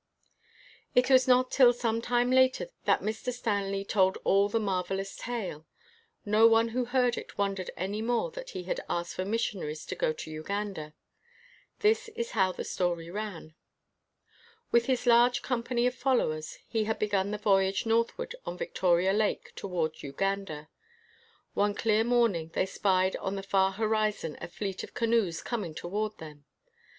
It was not till some time later that Mr. Stanley told all the marvelous tale. No one who heard it wondered any more that he had asked for missionaries to go to Uganda. This is how the story ran : With his large company of followers, he had begun the voyage northward on Victoria Lake toward Uganda. One clear morning they spied on the far horizon a fleet of canoes coming toward them.